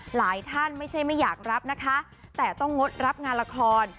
หลายท่านไม่ใช่ไม่อยากรับนะคะแต่ต้องงดรับงานละคร